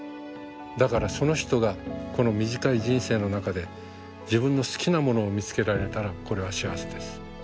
だからその人がこの短い人生の中で自分の好きなものを見つけられたらこれは幸せです。